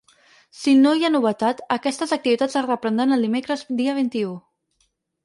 Si no hi ha novetat, aquestes activitats es reprendran dimecres dia vint-i-u.